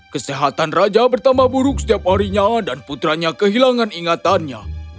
kesehatan raja bertambah buruk setiap harinya dan putranya kehilangan ingatannya